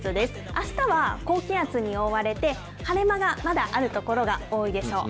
あしたは、高気圧に覆われて、晴れ間がまだある所が多いでしょう。